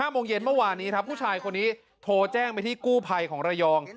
โมงเย็นเมื่อวานนี้ครับผู้ชายคนนี้โทรแจ้งไปที่กู้ภัยของระยอง